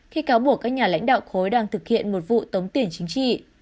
khi cáo buộc các nhà lãnh đạo khối đang thực hiện một vụ tống tiền chính trị